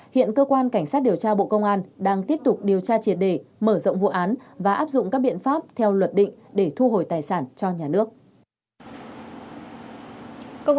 hiện cơ quan cảnh sát điều tra bộ công an đang tiếp tục điều tra triệt đề mở rộng vụ án và áp dụng các biện pháp theo luật định để thu hồi tài sản cho nhà nước